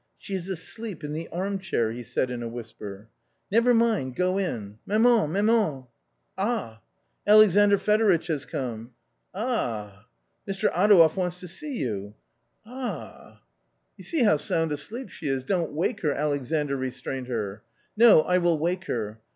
" She is asleep in the armchair," he said in a whisper. " Never mind, go in. Maman, maman I "" Ah 1" "Alexandr Fedoritch has come." " Ah !"" Mr. Adouev wants to see you." " Ah !" A COMMON STORY 89 " You see how sound asleep she is. Don't wake her !" Alexandr restrained her. " No, I will wake her.